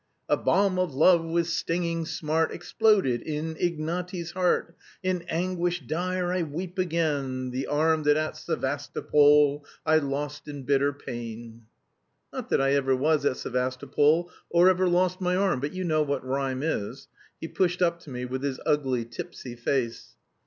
'A bomb of love with stinging smart Exploded in Ignaty's heart. In anguish dire I weep again The arm that at Sevastopol I lost in bitter pain!' Not that I ever was at Sevastopol, or ever lost my arm, but you know what rhyme is." He pushed up to me with his ugly, tipsy face.